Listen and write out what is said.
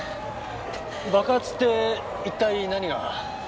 爆発って一体何が？